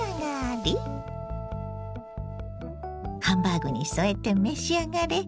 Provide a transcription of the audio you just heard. ハンバーグに添えて召し上がれ。